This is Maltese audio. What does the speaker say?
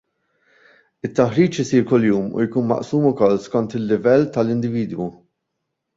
It-taħriġ isir kuljum u jkun maqsum ukoll skont il-livell tal-individwu.